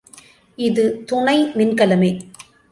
இது துணை மின்கலமே.